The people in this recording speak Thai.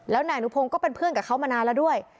แล้วนายอนุพงศ์ก็เป็นเพื่อนกับเขามานานแล้วด้วย